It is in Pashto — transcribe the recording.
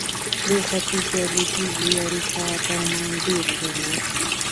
د ختیځې او لوېدیځې اروپا ترمنځ ډېر ژور و.